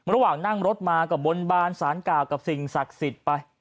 ระหว่างนั่งรถมาก็บนบานสารกล่าวกับสิ่งศักดิ์สิทธิ์ไป